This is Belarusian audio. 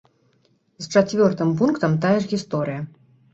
З чацвёртым пунктам тая ж гісторыя.